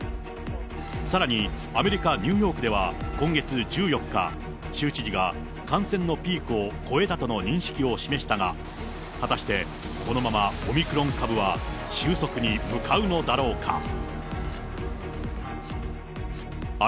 さらに、アメリカ・ニューヨークでは、今月１４日、州知事が感染のピークを越えたとの認識を示したが、果たしてこのままオミクロン株は収束に向かうのだろうか。